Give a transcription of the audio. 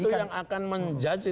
itu yang akan menjanjikan